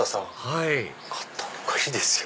はい買った方がいいですよ。